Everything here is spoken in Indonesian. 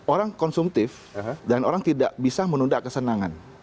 orang konsumtif dan orang tidak bisa menunda kesenangan